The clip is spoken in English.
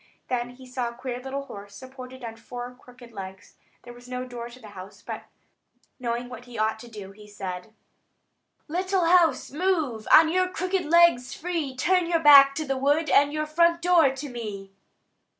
Then he saw a queer little house, supported on four crooked legs. There was no door to the house; but knowing what he ought to do, he said: "Little house, move On your crooked legs free; Turn your back to the wood, And your front door to me."